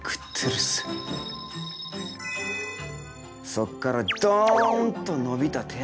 そこからドンと伸びた手足。